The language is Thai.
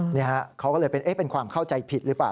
นี่ฮะเขาก็เลยเป็นความเข้าใจผิดหรือเปล่า